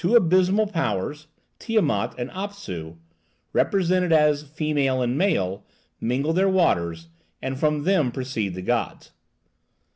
Two abysmal powers (Tiamat and Apsu), represented as female and male, mingle their waters, and from them proceed the gods.